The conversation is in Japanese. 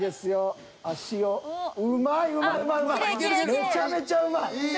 めちゃめちゃうまい。